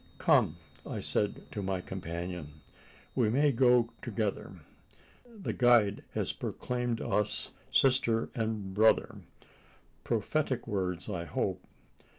"Come!" I said to my companion, "we may go together. The guide has proclaimed us sister and brother prophetic words, I hope.